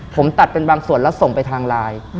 ผมตัดเป็นบางส่วนแล้วส่งไปทางไลน์